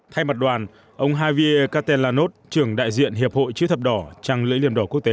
thay mặt đoàn ông havie catellanov trưởng đại diện hiệp hội chữ thập đỏ trăng lưỡi liềm đỏ quốc tế